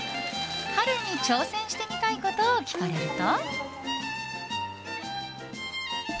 春に挑戦してみたいことを聞かれると。